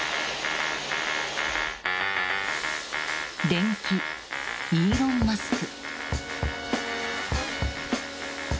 伝記「イーロン・マスク」。